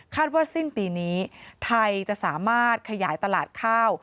ว่าสิ้นปีนี้ไทยจะสามารถขยายตลาดข้าว